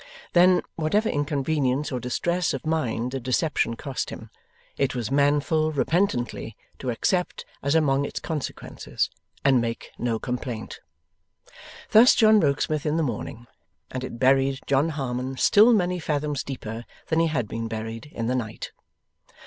Then, whatever inconvenience or distress of mind the deception cost him, it was manful repentantly to accept as among its consequences, and make no complaint. Thus John Rokesmith in the morning, and it buried John Harmon still many fathoms deeper than he had been buried in the night.